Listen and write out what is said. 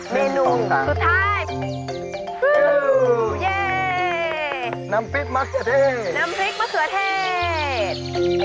เมนูสุดท้ายน้ำพริกมะเขือเท่น้ำพริกมะเขือเทศ